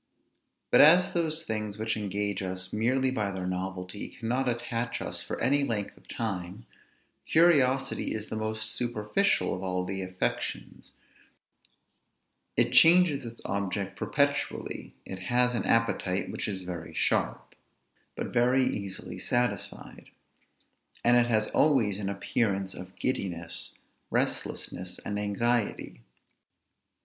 But as those things, which engage us merely by their novelty, cannot attach us for any length of time, curiosity is the most superficial of all the affections; it changes its object perpetually; it has an appetite which is very sharp, but very easily satisfied; and it has always an appearance of giddiness, restlessness, and anxiety.